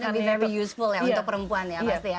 dan lebih lebih useful ya untuk perempuan ya pasti ya